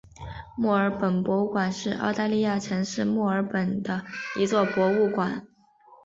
墨尔本博物馆是澳大利亚城市墨尔本的一座博物馆。